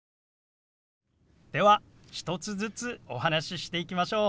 では１つずつお話ししていきましょう。